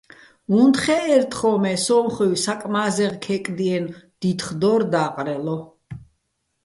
უნთხე́ჸერ თხოჼ, მე სო́მხუჲვ საკმა́ზეღ ქეკდიენო̆ დითხ დო́რ და́ყრელო.